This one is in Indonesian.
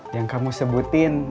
yang kamu sebutin